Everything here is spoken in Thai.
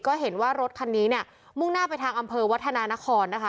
ก็เห็นว่ารถคันนี้มุ่งหน้าไปทางอำเภอวัฒนานคร